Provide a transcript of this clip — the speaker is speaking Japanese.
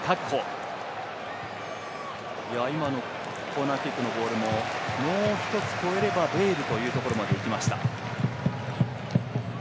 コーナーキックのボールももう１つ越えればベイルというところまでいきました。